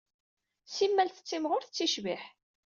Simmal tettimƔur, tetticbiḥ.